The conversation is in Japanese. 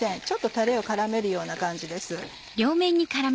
ちょっとタレを絡めるような感じです。